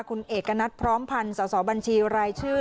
คุณเอกณัฐพร้อมพันธ์สอบบัญชีรายชื่อ